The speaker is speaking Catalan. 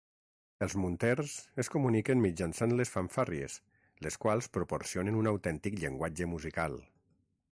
Els munters es comuniquen mitjançant les fanfàrries, les quals proporcionen un autèntic llenguatge musical.